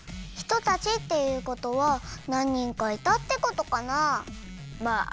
「ひとたち」っていうことはなん人かいたってことかなあ？